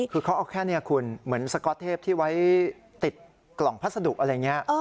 คือเขาเอาแค่นี้คุณเหมือนสก๊อตเทพที่ไว้ติดกล่องพัสดุอะไรอย่างนี้